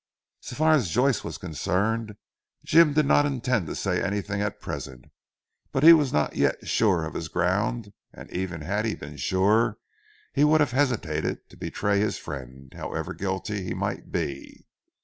So far as Joyce was concerned, Jim did not intend to say anything at present, as he was not yet sure of his ground and even had he been sure, he would have hesitated to betray his friend, however guilty he might be.